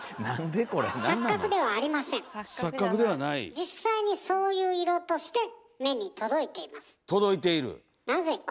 実際にそういう色として目に届いています。